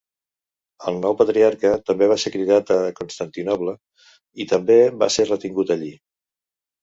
El nou patriarca també va ser cridat a Constantinoble, i també va ser retingut allí.